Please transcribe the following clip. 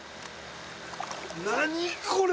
何これ！